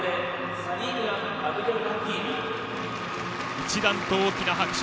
一段と大きな拍手。